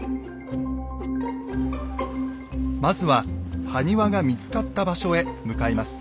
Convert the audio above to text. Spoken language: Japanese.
まずは埴輪が見つかった場所へ向かいます。